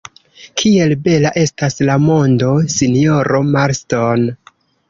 Kiel bela estas la mondo, sinjoro Marston!